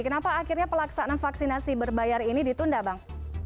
kenapa akhirnya pelaksanaan vaksinasi berbayar ini ditunda bang